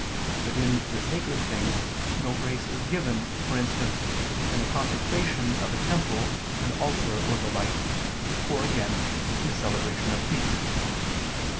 But in the sacred things no grace is given: for instance, in the consecration of a temple, an altar or the like, or, again, in the celebration of feasts.